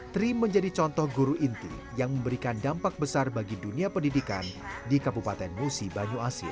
tri menjadi contoh guru inti yang memberikan dampak besar bagi dunia pendidikan di kabupaten musi banyu asin